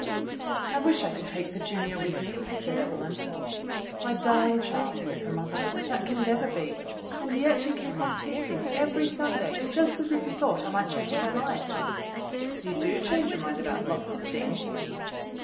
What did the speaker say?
"I wish I could take Virginia with me," said Evelyn. "My darling child," said her mother, *'that can never be, and yet you keep on teasing every Sunday just as if you thought I might change my mind." "You do change your mind about lots of things."